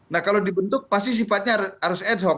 nah kalau dibentuk pasti sifatnya harus ad hoc